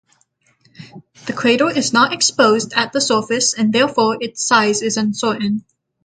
The crater is not exposed at the surface and therefore its size is uncertain.